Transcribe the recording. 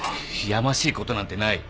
やましいことなんてない。